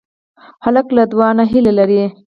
هلک له دعا نه هیله لري.